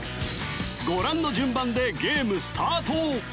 ご覧の順番でゲームスタート